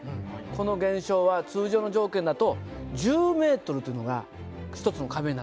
この現象は通常の条件だと１０ｍというのが一つの壁になるんですよ。